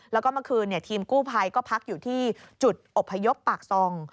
แล้วก็เมื่อคืนทีมกู้ภัยก็พักอยู่ที่จุดอบพยพปากซอง